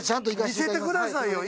見せてくださいよ